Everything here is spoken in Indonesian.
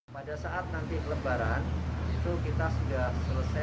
pada saat nanti lebaran itu kita sudah selesai